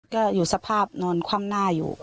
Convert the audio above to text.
ก็อยู่สภาพนอนคว่ำหน้าอยู่